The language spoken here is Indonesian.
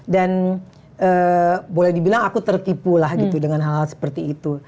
dan boleh dibilang aku tertipu lah gitu dengan hal hal seperti itu